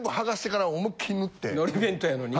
のり弁当やのに？